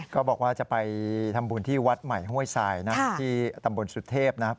ก็บอกว่าจะไปทำบุญที่วัดใหม่ห้วยทรายนะที่ตำบลสุเทพนะครับ